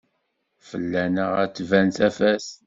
Fell-aneɣ ad d-tban tafat.